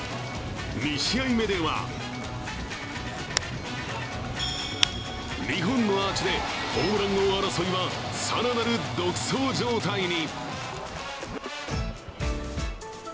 ２試合目では２本のアーチでホームラン王争いは更なる独走状態に。